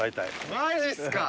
マジっすか！